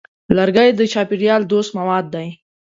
لرګی د چاپېریال دوست مواد دی.